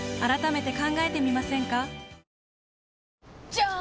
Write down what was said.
じゃーん！